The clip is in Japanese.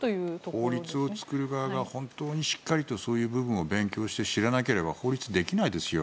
法律を作る側が本当にそういう部分をしっかりと勉強して知らなければ法律できないですよ。